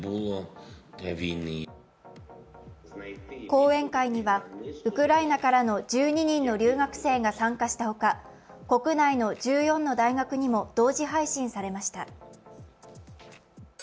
講演会にはウクライナからの１２人の留学生が参加したほか、国内の１４の大学にも同時配信されました。